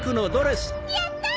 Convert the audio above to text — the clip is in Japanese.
やった！